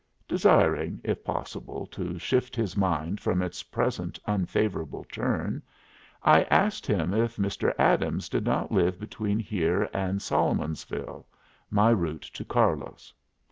Desiring, if possible, to shift his mind from its present unfavorable turn, I asked him if Mr. Adams did not live between here and Solomonsville, my route to Carlos.